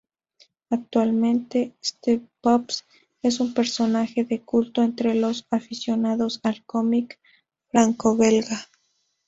Actualmente, Steve Pops es un personaje de culto entre los aficionados al cómic francobelga.